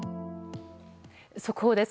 速報です。